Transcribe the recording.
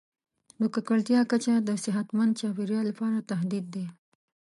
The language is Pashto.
د ککړتیا کچه د صحتمند چاپیریال لپاره تهدید دی.